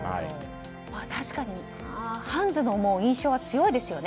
確かに、ハンズの印象が強いですよね。